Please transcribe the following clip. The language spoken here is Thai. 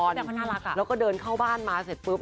แสดงว่าน่ารักอ่ะแล้วก็เดินเข้าบ้านมาเสร็จปุ๊บ